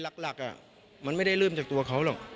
หลักมันไม่ได้เริ่มจากตัวเขาหรอก